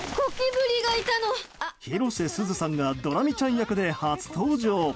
広瀬すずさんがドラミちゃん役で初登場。